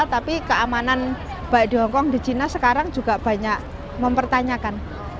tapi keamanan baik di hongkong di china sekarang juga banyak mempertanyakan